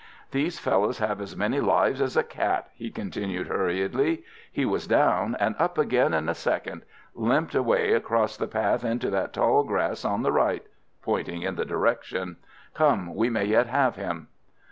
"These fellows have as many lives as a cat," he continued hurriedly. "He was down and up again in a second; limped away across the path into that tall grass on the right" pointing in that direction. "Come! we may yet have him."